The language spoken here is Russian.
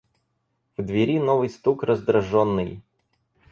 В двери новый стук раздраженный.